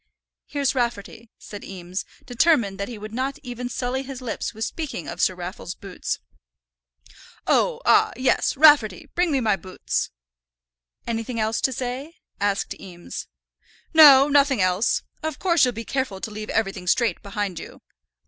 "Here's Rafferty," said Eames, determined that he would not even sully his lips with speaking of Sir Raffle's boots. "Oh, ah, yes; Rafferty, bring me my boots." "Anything else to say?" asked Eames. "No, nothing else. Of course you'll be careful to leave everything straight behind you."